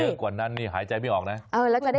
ถ้าเยอะกว่านั้นหายใจไม่ออกนะ